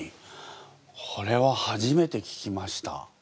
これは初めて聞きました。